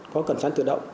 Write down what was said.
có cần sáng tự động